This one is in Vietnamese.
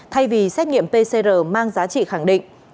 thay vì xét nghiệm pcr mang giá trị khẳng định